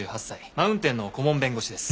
マウンテンの顧問弁護士です。